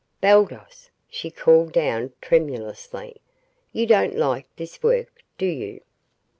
"Baldos," she called down tremulously, "you don't like this work, do you?"